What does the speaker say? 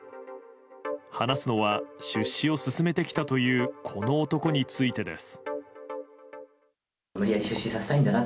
話すのは出資を勧めてきたというこの男についてです。